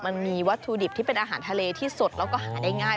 มันมีวัตถุดิบที่เป็นอาหารทะเลที่สดแล้วก็หาได้ง่าย